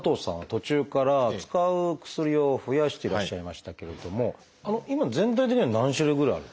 途中から使う薬を増やしてらっしゃいましたけれども今全体的には何種類ぐらいあるんですか？